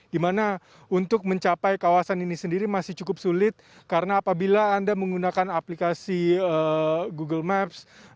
dimana untuk mencapai kawasan ini sendiri masih cukup sulit karena apabila anda menggunakan aplikasi google maps